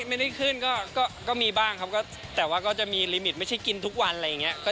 ไม่ได้ขึ้นก็มีบ้างครับแต่ว่าก็จะมีลิมิตไม่ใช่กินทุกวันอะไรอย่างนี้